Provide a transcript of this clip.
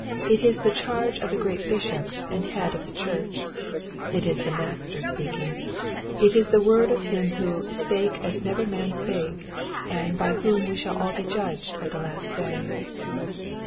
It is the charge of the great Bishop and Head of the Church. It is the Master speaking. It is the word of Him who ^^ spake as never man spake/' and by whom we shall all be judged at the last day.